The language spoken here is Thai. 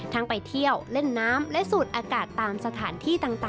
ไปเที่ยวเล่นน้ำและสูดอากาศตามสถานที่ต่าง